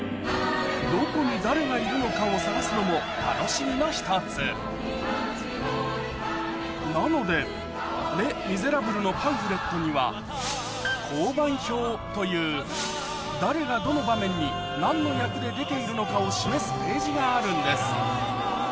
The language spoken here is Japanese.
どこに誰がいるのかを探すのも楽しみの１つなので『レ・ミゼラブル』のパンフレットには香盤表という誰がどの場面に何の役で出ているのかを示すページがあるんです